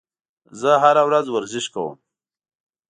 زه هره ورځ ورزش کوم